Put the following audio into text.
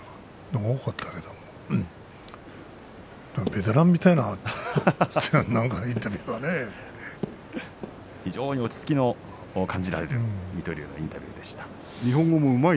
何かベテランみたいな非常に落ち着きが感じられる水戸龍のインタビューでした。